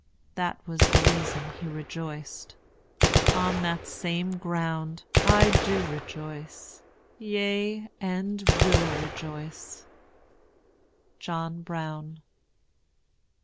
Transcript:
That was the reason he rejoiced. On that same ground "I do rejoice, yea, and will rejoice." JOHN BROWN.